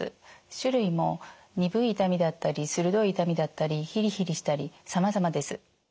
種類も鈍い痛みだったり鋭い痛みだったりひりひりしたりさまざまです。